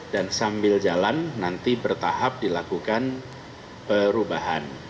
dan sambil jalan nanti bertahap dilakukan perubahan